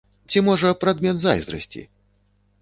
Ці, можа, прадмет зайздрасці?!